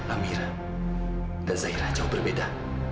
amira dan zahira jauh berbeda